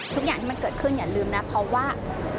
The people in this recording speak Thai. ทุกอย่างที่มันเกิดขึ้นอย่าลืมนะเพราะว่า